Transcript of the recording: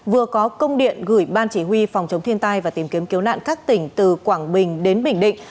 vừa có công điện gửi ban chỉ huy phòng chống thiên tai và tìm kiếm cứu nạn các tỉnh từ quảng bình đến bình định